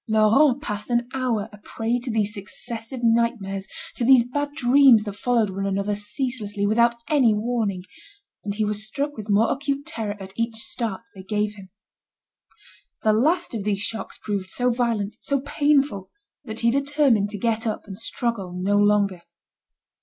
Laurent passed an hour a prey to these successive nightmares, to these bad dreams that followed one another ceaselessly, without any warning, and he was struck with more acute terror at each start they gave him. The last of these shocks proved so violent, so painful that he determined to get up, and struggle no longer.